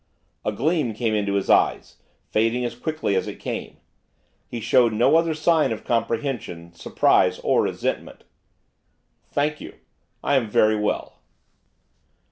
A gleam came into his eyes, fading as quickly as it came. He showed no other sign of comprehension, surprise, or resentment. 'Thank you. I am very well.